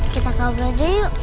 kita gabung aja yuk